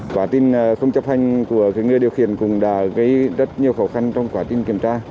quả tin không chấp hành của người điều khiển cũng đã gây rất nhiều khó khăn trong quả tin kiểm tra